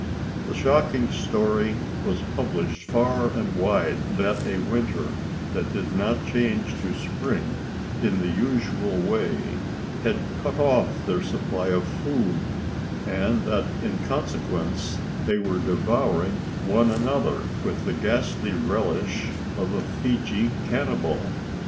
The shocking story was published far and wide that a winter that did not change to spring in the usual way had cut off their supply of food, and that in consequence they were devouring one another with the ghastly relish of a Fiji cannibal.